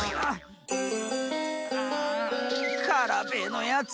ああカラベーのやつ！